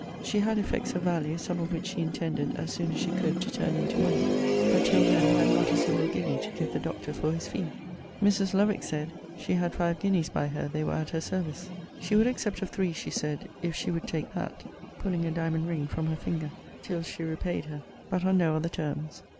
She had effects of value, some of which she intended, as soon as she could, to turn into money, but, till then, had not a single guinea to give the doctor for his fee. Mrs. Lovick said, she had five guineas by her; they were at her service. She would accept of three, she said, if she would take that (pulling a diamond ring from her finger) till she repaid her; but on no other terms.